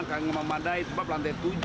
kan memandai sebab lantai tujuh